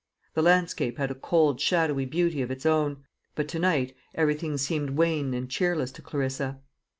The landscape had a cold shadowy beauty of its own; but to night everything seemed wan and cheerless to Clarissa.